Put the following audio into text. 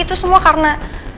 itu semua karena